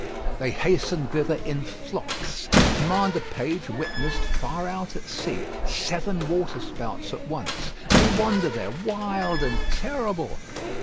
They hasten thither in flocks. Commander Page witnessed, far out at sea, seven waterspouts at once. They wander there, wild and terrible!